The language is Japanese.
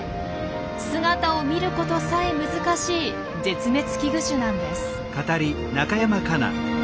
姿を見ることさえ難しい絶滅危惧種なんです。